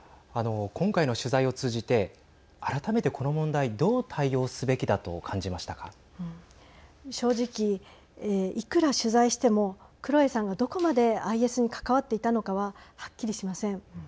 今回の取材を通じて改めて、この問題どう対応すべきだと正直いくら取材してもクロエさんが、どこまでＩＳに関わっていたのかははっきりしません。